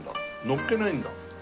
のっけないんだ？